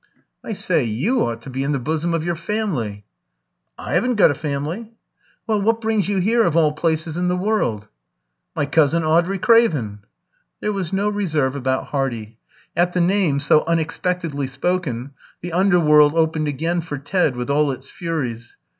"I say you ought to be in the bosom of your family." "I haven't got a family." "Well, what brings you here of all places in the world?" "My cousin Audrey Craven." There was no reserve about Hardy. At the name, so unexpectedly spoken, the under world opened again for Ted, with all its Furies.